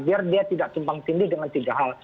biar dia tidak tumpang tindih dengan tiga hal